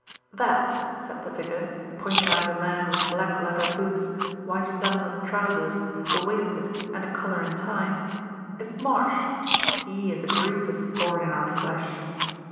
"That," said the vicar, pointing out a man with black leather boots, white flannelette trousers, a waist coat and a collar and tie, "is Marsh. He is a grievous thorn in our flesh."